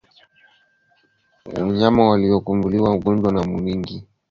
Wanyama walioambukizwa ugonjwa mara nyingi huugua kwa kipindi kirefu